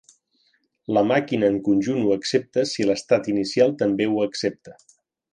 La màquina en conjunt ho accepta si l'estat inicial també ho accepta.